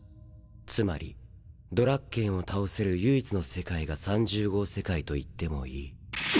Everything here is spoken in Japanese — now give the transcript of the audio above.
つまりドラッケンを倒せる唯一の世界が３０号世界と言ってもいい。